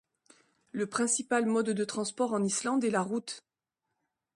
Le principal mode de transport en Islande est la route.